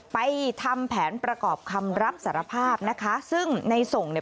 ไปทำแผนประกอบคำรับสารภาพนะคะซึ่งในส่งเนี่ย